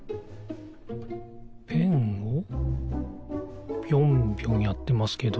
ペンをぴょんぴょんやってますけど。